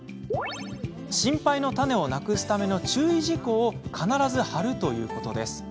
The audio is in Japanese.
心配の種をなくすための注意事項を必ず貼るということです。